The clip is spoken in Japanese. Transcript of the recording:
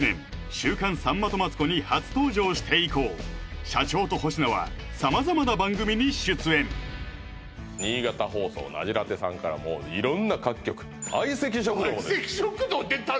「週刊さんまとマツコ」に初登場して以降社長と保科は様々な番組に出演新潟放送「なじラテ。」さんからもう色んな各局「相席食堂」も「相席食堂」出たの？